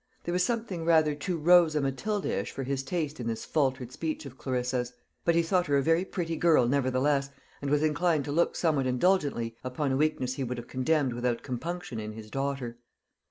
There was something rather too Rosa Matildaish for his taste in this faltered speech of Clarissa's; but he thought her a very pretty girl nevertheless, and was inclined to look somewhat indulgently upon a weakness he would have condemned without compunction in his daughter.